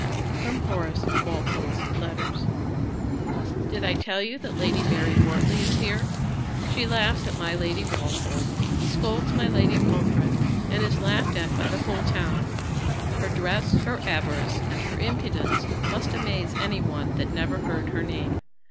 [Sidenote: Horace Walpole's Letters.] "Did I tell you that Lady Mary Wortley is here? She laughs at my Lady Walpole, scolds my Lady Pomfret, and is laughed at by the whole town. Her dress, her avarice, and her impudence must amaze any one that never heard her name.